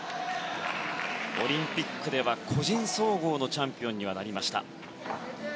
オリンピックでは個人総合のチャンピオンにはなりました。